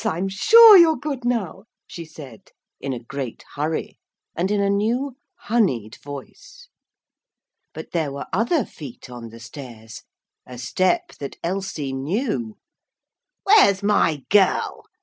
I'm sure you're good now,' she said, in a great hurry and in a new honeyed voice. But there were other feet on the stairs a step that Elsie knew. 'Where's my girl?'